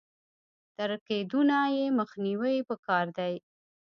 تر کېدونه يې مخنيوی په کار دی.